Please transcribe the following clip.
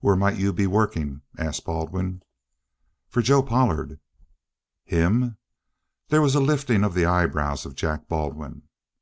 "Where might you be working?" asked Baldwin. "For Joe Pollard." "Him?" There was a lifting of the eyebrows of Jack Baldwin.